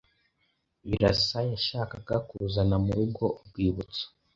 Birasa yashakaga kuzana murugo urwibutso.